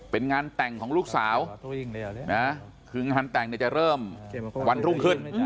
เป็นงานแต่งของลูกสาวคืองานแต่งจะเริ่มวันรุ่งขึ้น